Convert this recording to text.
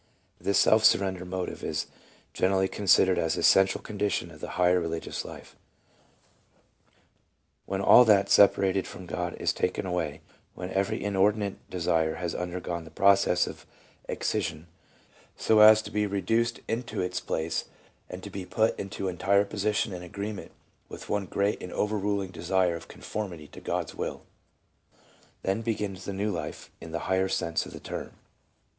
This self surrender motive is generally con sidered an essential condition of the higher religious life :— When all that separated from God is taken away, when every inordinate desire has undergone the process of excision, so as to be reduced into its place, and to be put into entire position and agree ment with one great and overruling desire of conformity to God's will, then begins the new life in the higher sense of the term.